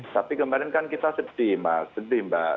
tapi kemarin kan kita sedih mas sedih mbak